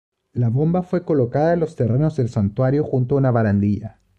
La bomba fue colocada en los terrenos del santuario junto a una barandilla.